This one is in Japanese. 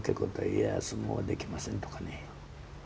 「いや相撲はできません」とかね。